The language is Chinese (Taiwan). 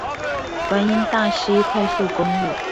觀音大溪快速公路